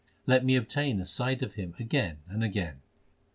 Let me obtain a sight of him again and again.